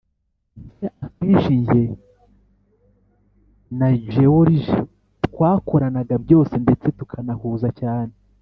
ndetse akenshi njye na gerorige twakoranaga byose ndetse tukanahuza cyane